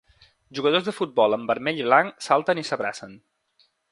Jugadors de futbol en vermell i blanc salten i s'abracen.